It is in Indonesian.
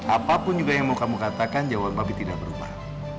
apapun juga yang mau kamu katakan jawaban babi tidak berubah